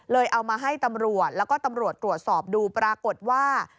เอามาให้ตำรวจแล้วก็ตำรวจตรวจสอบดูปรากฏว่า